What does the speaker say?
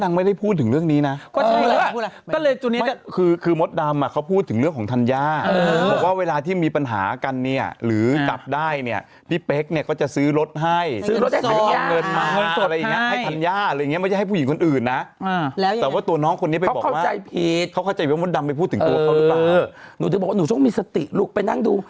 เข้าใจว่ามดดำไปพูดถึงตัวเขาหรือเปล่าอืมนูจะบอกว่านูช่องมีสติลูกไปนั่งดู